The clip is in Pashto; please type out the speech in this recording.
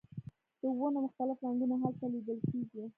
د ونو مختلف رنګونه هلته لیدل کیږي